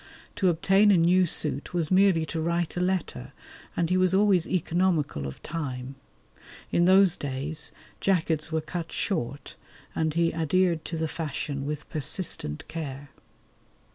To obtain a new suit was merely to write a letter, and he was always economical of time. In those days jackets were cut short, and he adhered to the fashion with persistent care.